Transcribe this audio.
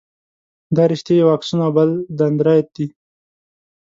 دا رشتې یو اکسون او بل دنداریت دي.